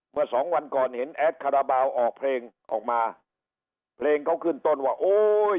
เมื่อสองวันก่อนเห็นแอดคาราบาลออกเพลงออกมาเพลงเขาขึ้นต้นว่าโอ้ย